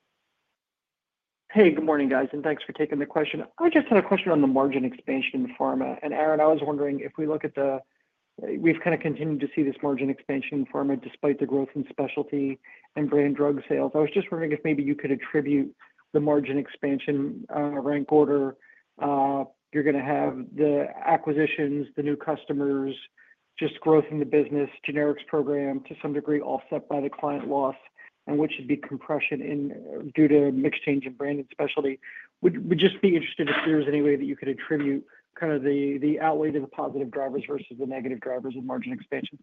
Hey, good morning, guys, and thanks for taking the question. I just had a question on the margin expansion in pharma. Aaron, I was wondering if we look at the—we've kind of continued to see this margin expansion in pharma despite the growth in specialty and brand drug sales. I was just wondering if maybe you could attribute the margin expansion rank order. You're going to have the acquisitions, the new customers, just growth in the business, generics program to some degree offset by the client loss, and which would be compression due to mix change in brand and specialty. We'd just be interested if there was any way that you could attribute kind of the outlay to the positive drivers versus the negative drivers of margin expansion.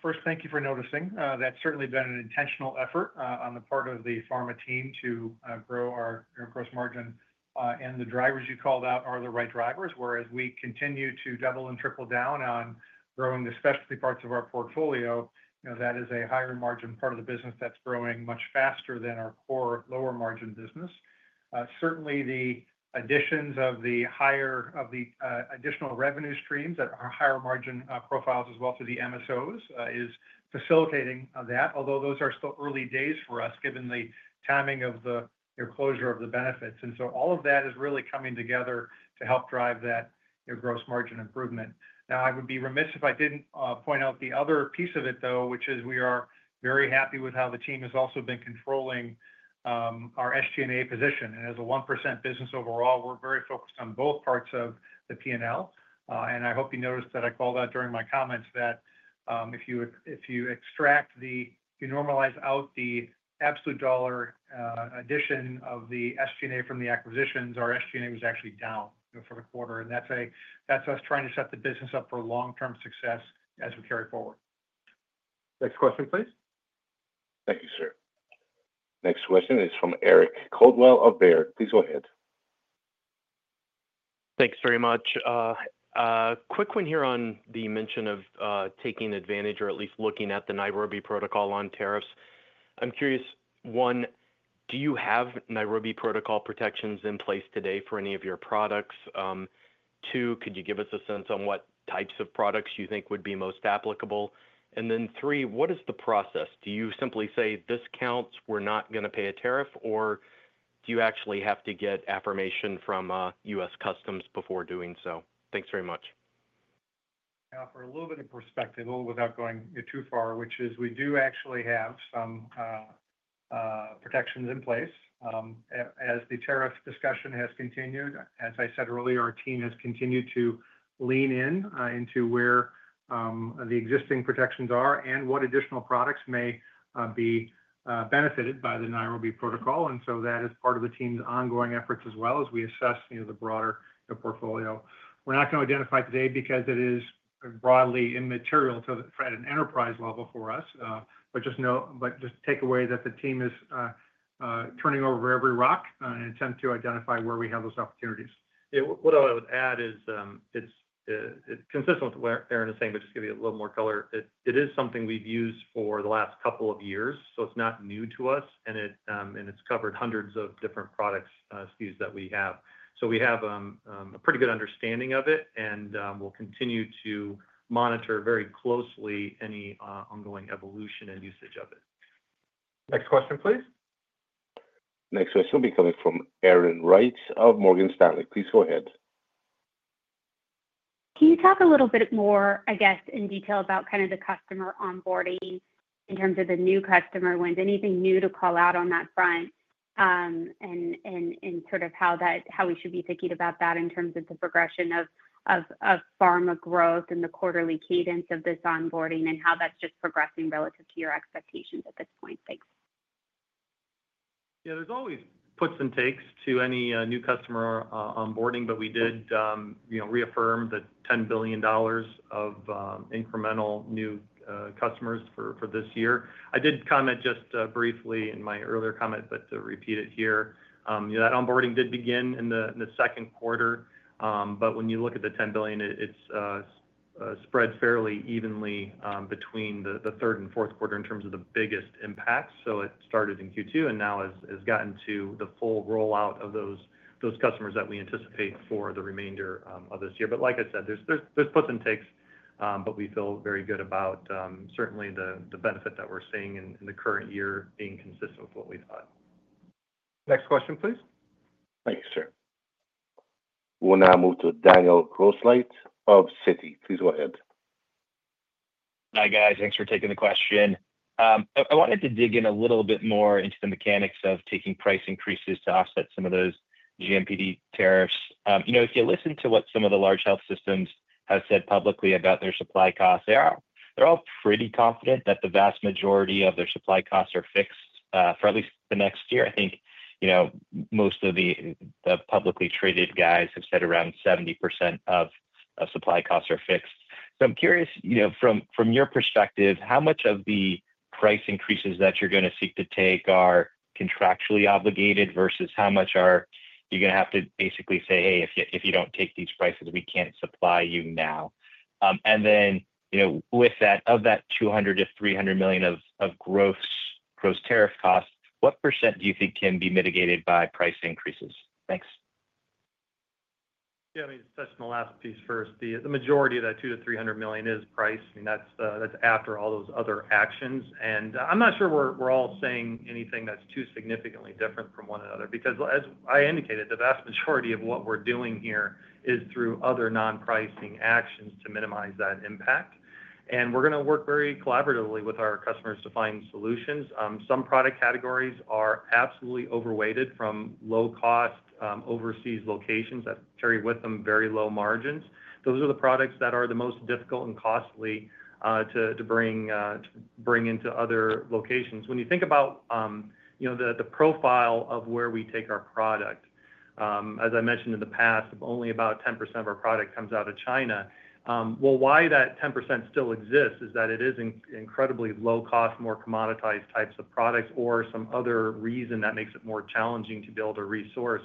First, thank you for noticing. That's certainly been an intentional effort on the part of the pharma team to grow our gross margin. The drivers you called out are the right drivers. Whereas we continue to double and triple down on growing the specialty parts of our portfolio, that is a higher margin part of the business that's growing much faster than our core lower margin business. Certainly, the additions of the higher of the additional revenue streams that are higher margin profiles as well to the MSOs is facilitating that, although those are still early days for us given the timing of the closure of the benefits. All of that is really coming together to help drive that gross margin improvement. I would be remiss if I did not point out the other piece of it, though, which is we are very happy with how the team has also been controlling our SG&A position. As a 1% business overall, we are very focused on both parts of the P&L. I hope you noticed that I called out during my comments that if you extract the—if you normalize out the absolute dollar addition of the SG&A from the acquisitions, our SG&A was actually down for the quarter. That's us trying to set the business up for long-term success as we carry forward. Next question, please. Thank you, sir. Next question is from Eric Coldwell of Baird. Please go ahead. Thanks very much. Quick one here on the mention of taking advantage or at least looking at the Nairobi Protocol on tariffs. I'm curious, one, do you have Nairobi Protocol protections in place today for any of your products? Two, could you give us a sense on what types of products you think would be most applicable? And then three, what is the process? Do you simply say, "This counts. We're not going to pay a tariff," or do you actually have to get affirmation from U.S. Customs before doing so? Thanks very much. For a little bit of perspective, without going too far, we do actually have some protections in place. As the tariff discussion has continued, as I said earlier, our team has continued to lean into where the existing protections are and what additional products may be benefited by the Nairobi Protocol. That is part of the team's ongoing efforts as well as we assess the broader portfolio. We're not going to identify today because it is broadly immaterial to an enterprise level for us, but just take away that the team is turning over every rock in an attempt to identify where we have those opportunities. Yeah. What I would add is it's consistent with what Aaron is saying, but just give you a little more color. It is something we've used for the last couple of years, so it's not new to us, and it's covered hundreds of different products that we have. We have a pretty good understanding of it, and we'll continue to monitor very closely any ongoing evolution and usage of it. Next question, please. Next question will be coming from Erin Wright of Morgan Stanley. Please go ahead. Can you talk a little bit more, I guess, in detail about kind of the customer onboarding in terms of the new customer wins? Anything new to call out on that front and sort of how we should be thinking about that in terms of the progression of pharma growth and the quarterly cadence of this onboarding and how that's just progressing relative to your expectations at this point? Thanks. Yeah. There's always puts and takes to any new customer onboarding, but we did reaffirm the $10 billion of incremental new customers for this year. I did comment just briefly in my earlier comment, but to repeat it here, that onboarding did begin in the second quarter, but when you look at the $10 billion, it's spread fairly evenly between the third and fourth quarter in terms of the biggest impacts. It started in Q2 and now has gotten to the full rollout of those customers that we anticipate for the remainder of this year. Like I said, there's puts and takes, but we feel very good about certainly the benefit that we're seeing in the current year being consistent with what we thought. Next question, please. Thank you, sir. We'll now move to Daniel Grosslight of Citi. Please go ahead. Hi, guys. Thanks for taking the question. I wanted to dig in a little bit more into the mechanics of taking price increases to offset some of those GMPD tariffs. If you listen to what some of the large health systems have said publicly about their supply costs, they're all pretty confident that the vast majority of their supply costs are fixed for at least the next year. I think most of the publicly traded guys have said around 70% of supply costs are fixed. I'm curious, from your perspective, how much of the price increases that you're going to seek to take are contractually obligated versus how much are you going to have to basically say, "Hey, if you don't take these prices, we can't supply you now"? With that, of that $200 million-$300 million of gross tariff costs, what percent do you think can be mitigated by price increases? Thanks. Yeah. I mean, touching the last piece first, the majority of that $200 million-$300 million is price. I mean, that's after all those other actions. I'm not sure we're all saying anything that's too significantly different from one another because, as I indicated, the vast majority of what we're doing here is through other non-pricing actions to minimize that impact. We're going to work very collaboratively with our customers to find solutions. Some product categories are absolutely overweighted from low-cost overseas locations that carry with them very low margins. Those are the products that are the most difficult and costly to bring into other locations. When you think about the profile of where we take our product, as I mentioned in the past, only about 10% of our product comes out of China. Why that 10% still exists is that it is incredibly low-cost, more commoditized types of products or some other reason that makes it more challenging to build a resource.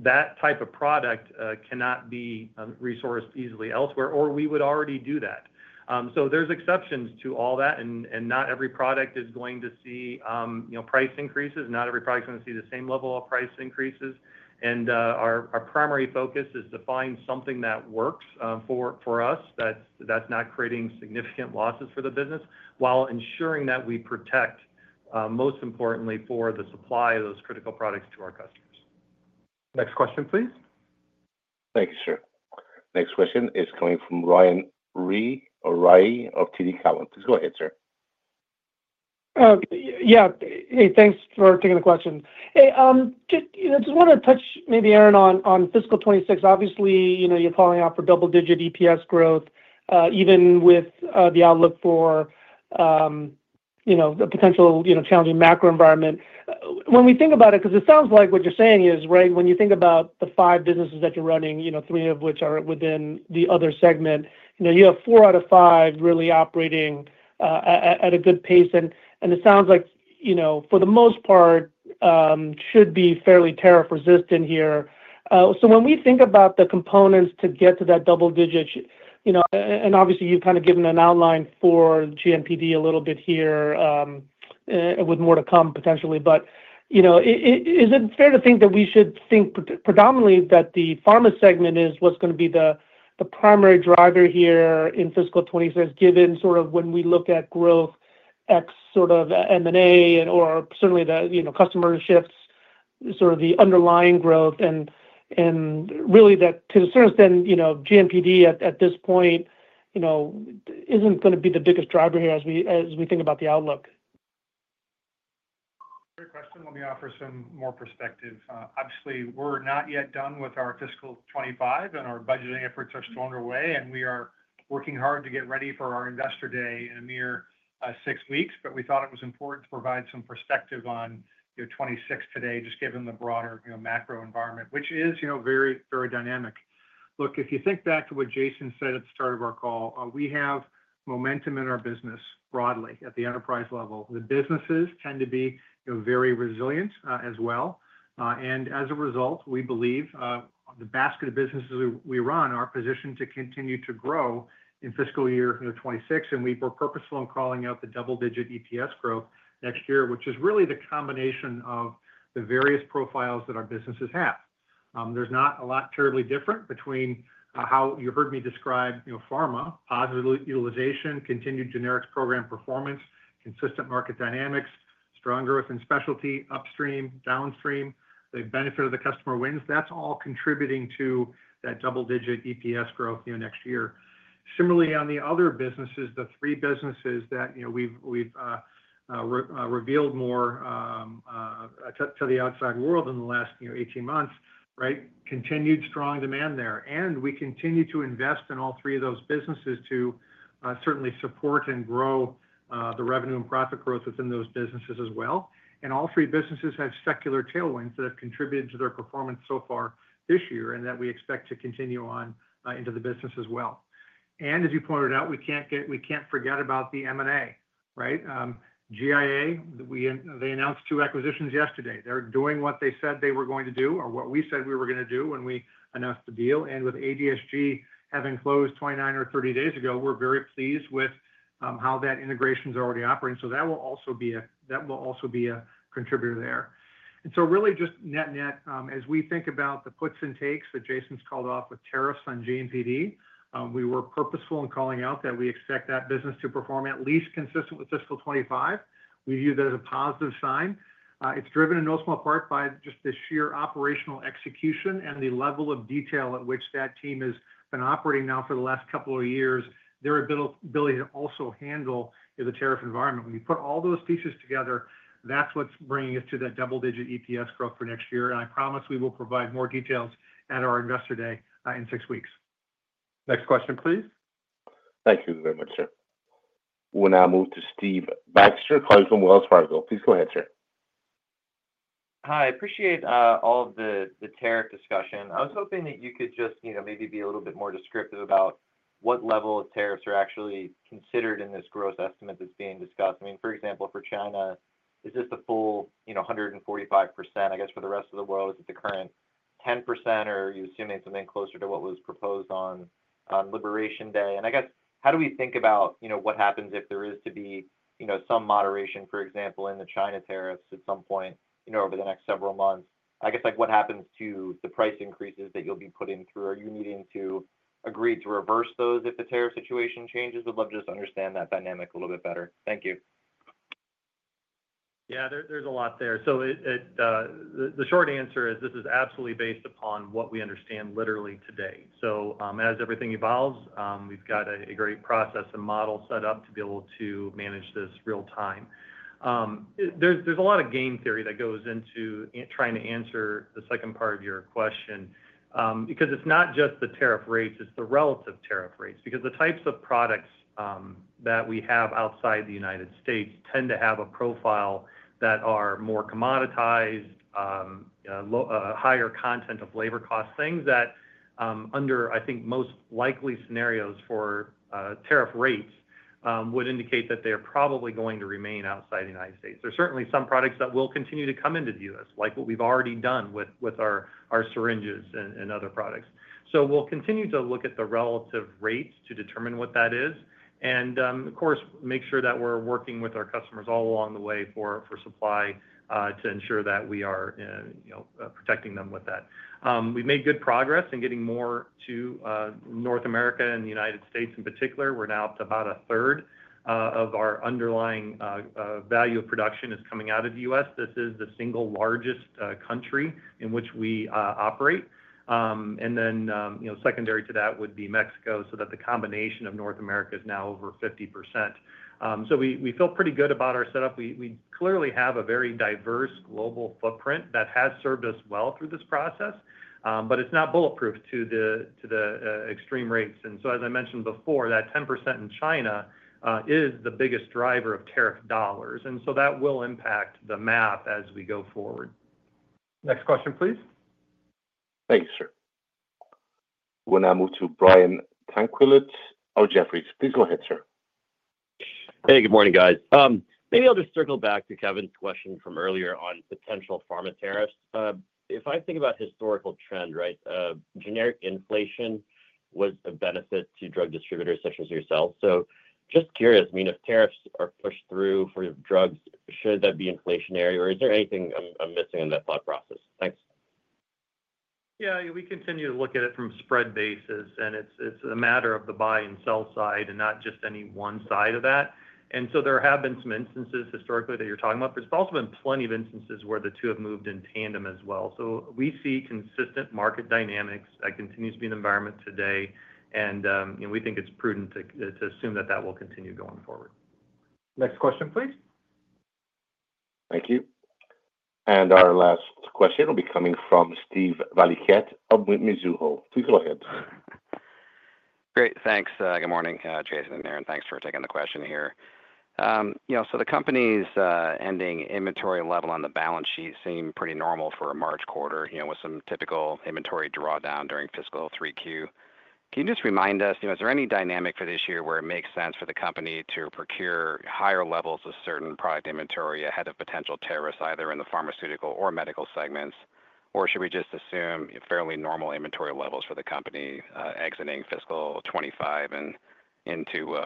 That type of product cannot be resourced easily elsewhere, or we would already do that. There are exceptions to all that, and not every product is going to see price increases. Not every product is going to see the same level of price increases. Our primary focus is to find something that works for us that is not creating significant losses for the business while ensuring that we protect, most importantly, the supply of those critical products to our customers. Next question, please. Thank you, sir. Next question is coming from [Ryan Ree or Rhyee] of TD Cowen. Please go ahead, sir. Yeah. Hey, thanks for taking the question. Hey, just want to touch maybe, Aaron, on fiscal 2026. Obviously, you are calling out for double-digit EPS growth, even with the outlook for a potential challenging macro environment. When we think about it, because it sounds like what you're saying is, right, when you think about the five businesses that you're running, three of which are within the other segment, you have four out of five really operating at a good pace. It sounds like, for the most part, should be fairly tariff-resistant here. When we think about the components to get to that double digit, and obviously, you've kind of given an outline for GMPD a little bit here with more to come potentially, is it fair to think that we should think predominantly that the pharma segment is what's going to be the primary driver here in fiscal 2026, given sort of when we look at growth, X sort of M&A, or certainly the customer shifts, sort of the underlying growth? To a certain extent, GMPD at this point is not going to be the biggest driver here as we think about the outlook. Great question. Let me offer some more perspective. Obviously, we are not yet done with our fiscal 2025, and our budgeting efforts are still underway, and we are working hard to get ready for our Investor Day in a mere six weeks. We thought it was important to provide some perspective on 2026 today, just given the broader macro environment, which is very, very dynamic. If you think back to what Jason said at the start of our call, we have momentum in our business broadly at the enterprise level. The businesses tend to be very resilient as well. As a result, we believe the basket of businesses we run are positioned to continue to grow in fiscal year 2026. We were purposeful in calling out the double-digit EPS growth next year, which is really the combination of the various profiles that our businesses have. There's not a lot terribly different between how you heard me describe pharma: positive utilization, continued generics program performance, consistent market dynamics, strong growth in specialty, upstream, downstream, the benefit of the customer wins. That's all contributing to that double-digit EPS growth next year. Similarly, on the other businesses, the three businesses that we've revealed more to the outside world in the last 18 months, right, continued strong demand there. We continue to invest in all three of those businesses to certainly support and grow the revenue and profit growth within those businesses as well. All three businesses have secular tailwinds that have contributed to their performance so far this year and that we expect to continue on into the business as well. As you pointed out, we can't forget about the M&A, right? GI Alliance, they announced two acquisitions yesterday. They're doing what they said they were going to do or what we said we were going to do when we announced the deal. With Advanced Diabetes Supply Group having closed 29 or 30 days ago, we're very pleased with how that integration is already operating. That will also be a contributor there. Really just net-net, as we think about the puts and takes that Jason's called off with tariffs on GMPD, we were purposeful in calling out that we expect that business to perform at least consistent with fiscal 2025. We view that as a positive sign. It's driven in no small part by just the sheer operational execution and the level of detail at which that team has been operating now for the last couple of years, their ability to also handle the tariff environment. When you put all those pieces together, that's what's bringing us to that double-digit EPS growth for next year. I promise we will provide more details at our Investor Day in six weeks. Next question, please. Thank you very much, sir. We'll now move to Steve Baxter, colleague from Wells Fargo. Please go ahead, sir. Hi. I appreciate all of the tariff discussion. I was hoping that you could just maybe be a little bit more descriptive about what level of tariffs are actually considered in this growth estimate that's being discussed. I mean, for example, for China, is this the full 145%? I guess for the rest of the world, is it the current 10%, or are you assuming something closer to what was proposed on Liberation Day? I guess, how do we think about what happens if there is to be some moderation, for example, in the China tariffs at some point over the next several months? I guess what happens to the price increases that you'll be putting through? Are you needing to agree to reverse those if the tariff situation changes? We'd love to just understand that dynamic a little bit better. Thank you. Yeah, there's a lot there. The short answer is this is absolutely based upon what we understand literally today. As everything evolves, we've got a great process and model set up to be able to manage this real-time. There's a lot of game theory that goes into trying to answer the second part of your question because it's not just the tariff rates, it's the relative tariff rates because the types of products that we have outside the United States tend to have a profile that are more commoditized, higher content of labor costs, things that, under I think most likely scenarios for tariff rates, would indicate that they are probably going to remain outside the United States. There are certainly some products that will continue to come into the U.S., like what we've already done with our syringes and other products. We will continue to look at the relative rates to determine what that is and, of course, make sure that we're working with our customers all along the way for supply to ensure that we are protecting them with that. We've made good progress in getting more to North America and the United States in particular. We're now up to about a third of our underlying value of production is coming out of the U.S. This is the single largest country in which we operate. Secondary to that would be Mexico so that the combination of North America is now over 50%. We feel pretty good about our setup. We clearly have a very diverse global footprint that has served us well through this process, but it's not bulletproof to the extreme rates. As I mentioned before, that 10% in China is the biggest driver of tariff dollars. That will impact the map as we go forward. Next question, please. Thank you, sir. We'll now move to Brian Tanquilut of Jefferies. Please go ahead, sir. Hey, good morning, guys. Maybe I'll just circle back to Kevin's question from earlier on potential pharma tariffs. If I think about historical trend, right, generic inflation was a benefit to drug distributors such as yourself. Just curious, I mean, if tariffs are pushed through for drugs, should that be inflationary, or is there anything I'm missing in that thought process? Thanks. Yeah. We continue to look at it from spread basis, and it's a matter of the buy and sell side and not just any one side of that. There have been some instances historically that you're talking about, but there's also been plenty of instances where the two have moved in tandem as well. We see consistent market dynamics that continue to be in the environment today, and we think it's prudent to assume that that will continue going forward. Next question, please. Thank you. Our last question will be coming from Steve Valiquette of Mizuho. Please go ahead. Great. Thanks. Good morning, Jason and Aaron. Thanks for taking the question here. The company's ending inventory level on the balance sheet seemed pretty normal for a March quarter with some typical inventory drawdown during fiscal 3Q. Can you just remind us, is there any dynamic for this year where it makes sense for the company to procure higher levels of certain product inventory ahead of potential tariffs either in the pharmaceutical or medical segments, or should we just assume fairly normal inventory levels for the company exiting fiscal 2025 and into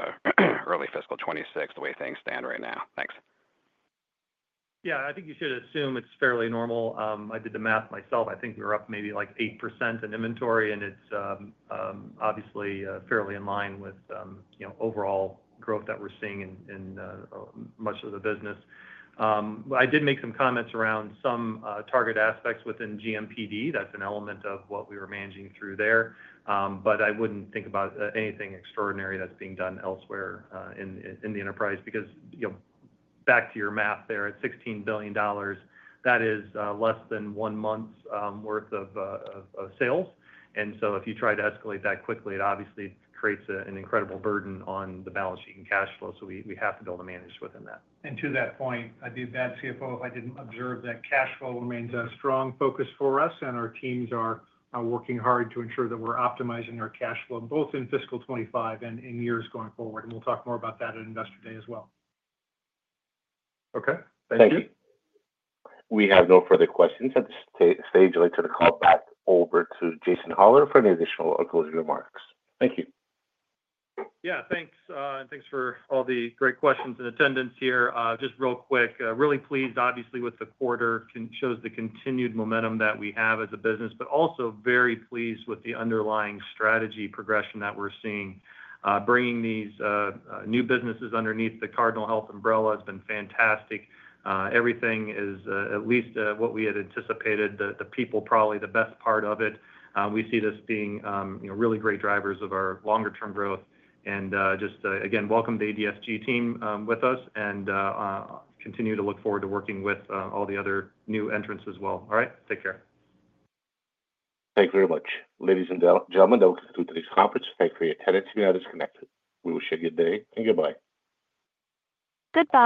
early fiscal 2026 the way things stand right now? Thanks. Yeah. I think you should assume it's fairly normal. I did the math myself. I think we were up maybe like 8% in inventory, and it's obviously fairly in line with overall growth that we're seeing in much of the business. I did make some comments around some target aspects within GMPD. That's an element of what we were managing through there. I wouldn't think about anything extraordinary that's being done elsewhere in the enterprise because back to your math there, at $16 billion, that is less than one month's worth of sales. If you try to escalate that quickly, it obviously creates an incredible burden on the balance sheet and cash flow. We have to be able to manage within that. To that point, I'd be a bad CFO if I didn't observe that cash flow remains a strong focus for us, and our teams are working hard to ensure that we're optimizing our cash flow both in fiscal 2025 and in years going forward. We'll talk more about that at Investor Day as well. Thank you. We have no further questions at this stage. I'd like to call back over to Jason Hollar for any additional closing remarks. Thank you. Yeah. Thanks. Thanks for all the great questions and attendance here. Just real quick, really pleased, obviously, with the quarter shows the continued momentum that we have as a business, but also very pleased with the underlying strategy progression that we're seeing. Bringing these new businesses underneath the Cardinal Health umbrella has been fantastic. Everything is at least what we had anticipated, the people probably the best part of it. We see this being really great drivers of our longer-term growth. Just, again, welcome the ADSG team with us and continue to look forward to working with all the other new entrants as well. All right? Take care. Thank you very much. Ladies and gentlemen, that will conclude today's conference. Thank you for your attendance. You may now disconnect. We wish you a good day and goodbye. Goodbye.